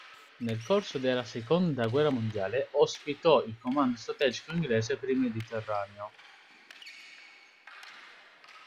Nel corso della seconda guerra mondiale ospitò il Comando strategico inglese per il Mediterraneo.